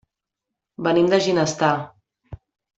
Venim de Ginestar.